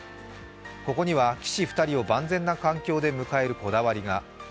ここには棋士２人を万全な環境で迎えるこだわりが。